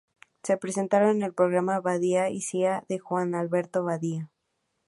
Se presentaron en el programa "Badía y Cía" de Juan Alberto Badía.